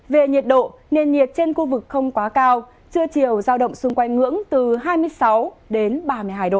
về nhiệt độ nền nhiệt trên khu vực không quá cao trưa chiều giao động xung quanh ngưỡng từ hai mươi sáu đến ba mươi hai độ